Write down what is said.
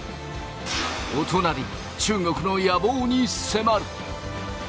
お隣中国の野望に迫る！